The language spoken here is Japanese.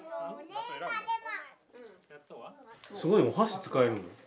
すごいお箸使えるの？